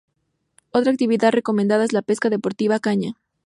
Otra actividad recomendada es la pesca deportiva a caña.